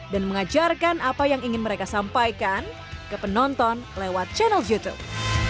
dan mengajarkan apa yang ingin mereka sampaikan ke penonton lewat channel youtube